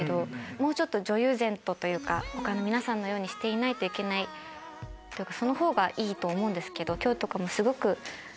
もうちょっと女優他の皆さんのようにしていないといけないというかそのほうがいいと思うんですけど。